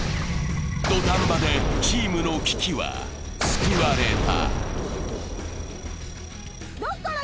土壇場でチームの危機は救われた。